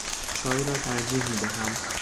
چای را ترجیح می دهم.